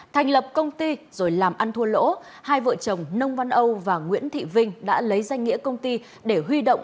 thành lập công ty rồi làm ăn thua lỗ hai vợ chồng nông văn âu và nguyễn thị vinh đã lấy danh nghĩa công ty để huy động